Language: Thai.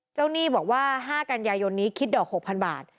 หนี้บอกว่า๕กันยายนนี้คิดดอก๖๐๐บาท